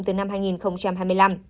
từ năm hai nghìn hai mươi năm